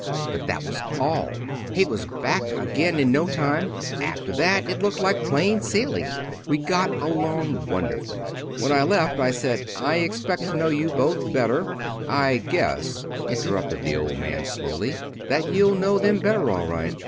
But that was all. He was back again in no time. After that it looked like plain sailing. We got along wonderfully. When I left I said, 'I expect to know you both better '" "I guess," interrupted the Old Man slowly, "that you'll know them better all right."